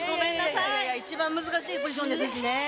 いやいや、一番難しいポジションですしね。